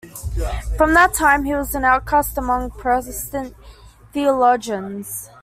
From that time, he was an outcast among Protestant theologians.